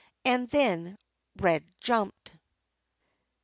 And then Red jumped.